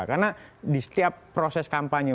karena di setiap proses kampanye